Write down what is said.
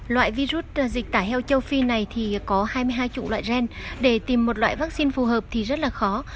loại virus dịch tả heo châu phi này thì có hai mươi hai trụng loại gen để tìm một loại vaccine phù hợp thì rất là khó